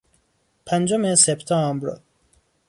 پنجم سپتامبر